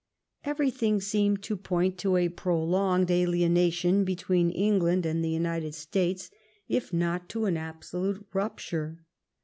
Everything seemed to point to a prolonged alienation between England and the United States, if not to an absolute rupture.